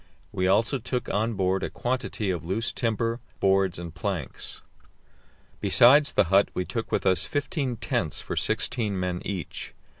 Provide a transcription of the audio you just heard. We also took on board a quantity of loose timber, boards and planks. Besides the hut we took with us fifteen tents for sixteen men each.